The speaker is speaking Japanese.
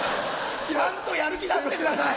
ちゃんとやる気出してください。